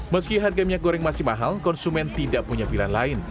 meski harga minyak goreng masih mahal konsumen tidak punya pilihan lain